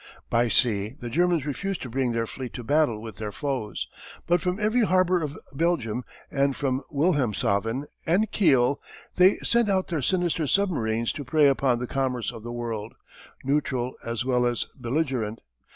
By sea the Germans refused to bring their fleet to battle with their foes. But from every harbour of Belgium, and from Wilhelmshaven and Kiel, they sent out their sinister submarines to prey upon the commerce of the world neutral as well as belligerent.